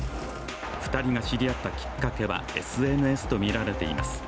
２人が知り合ったきっかけはＳＮＳとみられています。